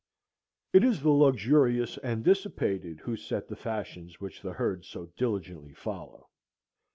It is the luxurious and dissipated who set the fashions which the herd so diligently follow.